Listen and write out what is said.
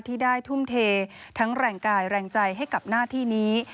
ที่ได้ทุ่มเททั้งแรงกายแรงใจให้กับหน้าที่นี้